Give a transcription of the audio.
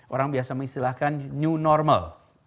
orang biasa mengistilahkan new normal